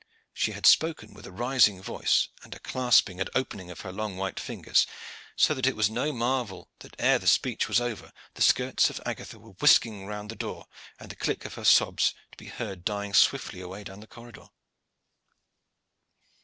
She had spoken with a rising voice, and a clasping and opening of her long white fingers, so that it was no marvel that ere the speech was over the skirts of Agatha were whisking round the door and the click of her sobs to be heard dying swiftly away down the corridor.